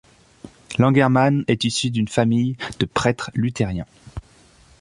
Langermann est issu d'une famille de prêtres luthériens.